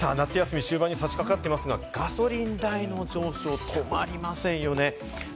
夏休み終盤に差し掛かっていますが、ガソリン代の上昇が止まりませんよね。